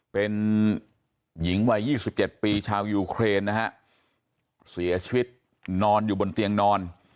เป็นหญิงวัย๒๗ปีชาวยูเครนนะฮะเสียชีวิตนอนอยู่บนเตียงนอน